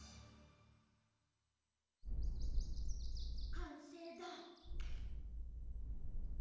かんせいだ！